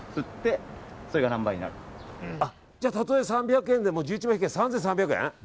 じゃあたとえ３００円でも１１倍を引いたら３３００円？